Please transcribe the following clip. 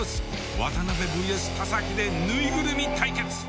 渡辺ｖｓ田崎で縫いぐるみ対決。